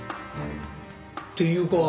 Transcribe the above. っていうか